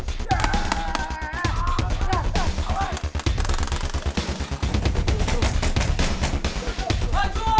sampai jumpa di video selanjutnya